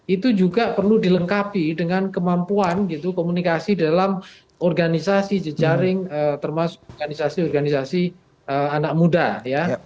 itu juga perlu dilengkapi dengan kemampuan gitu komunikasi dalam organisasi jejaring termasuk organisasi organisasi anak muda ya